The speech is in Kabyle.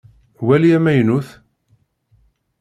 Wali amaynut!